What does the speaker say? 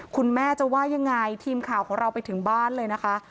คุณแม่จะว่ายังไงทีมข่าวของเราไปถึงบ้านเลยนะคะ